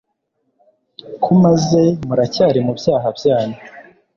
kumaze muracyari mu byaha byanyu